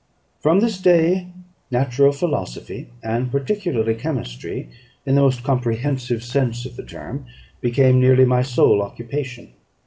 From this day natural philosophy, and particularly chemistry, in the most comprehensive sense of the term, became nearly my sole occupation.